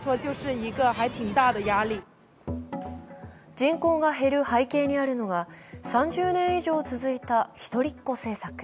人口が減る背景にあるのが３０年以上続いた一人っ子政策。